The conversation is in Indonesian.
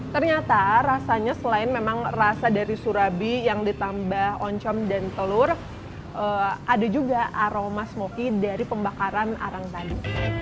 ternyata rasanya selain memang rasa dari surabi yang ditambah oncom dan telur ada juga aroma smoky dari pembakaran arang tadi